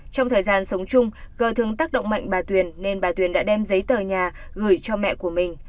trong thời gian sống chung gờ thường tác động mạnh bà tuyền nên bà tuyền đã đem giấy tờ nhà gửi cho mẹ của mình